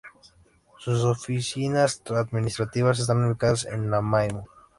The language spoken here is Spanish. Sus oficinas administrativas están ubicadas en Nanaimo.